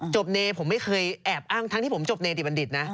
เนผมไม่เคยแอบอ้างทั้งที่ผมจบเนดิบัณฑิตนะ